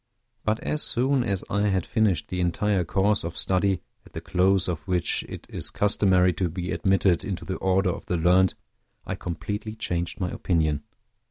But as soon as I had finished the entire course of study, at the close of which it is customary to be admitted into the order of the learned, I completely changed my opinion.